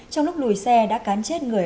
trong lúc lùi xe đã cán chết người